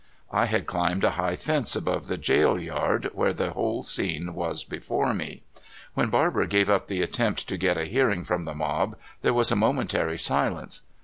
I had climbed a high fence above the jail yard, where the whole scene was before me. When Barber gave up the attempt to get a hearing from the mob, there was a momentary silence.